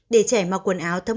để trẻ mặc quần áo tự nhiên